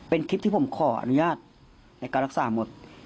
เป็นคลิปที่ผมขออนุญาตในการรักษาหมด